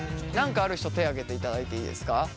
何かある人手挙げていただいていいですか？